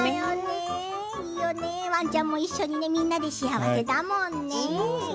ワンちゃんも一緒にみんなで幸せだもんね。